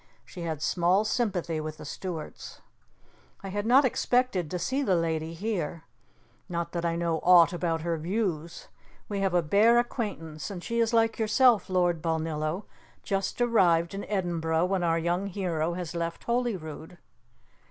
She had small sympathy with the Stuarts. "I had not expected to see the lady here. Not that I know aught about her views. We have a bare acquaintance, and she is like yourself, Lord Balnillo just arrived in Edinburgh when our young hero has left Holyrood."